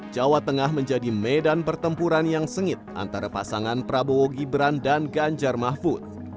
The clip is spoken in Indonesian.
jawa tengah menjadi medan pertempuran yang sengit antara pasangan prabowo gibran dan ganjar mahfud